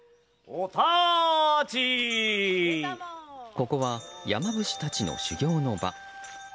ここは山伏たちの修行の場。